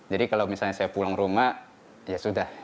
jadi kalau misalnya saya pulang rumah ya sudah